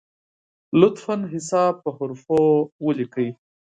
لطفا حساب په حروفو ولیکی!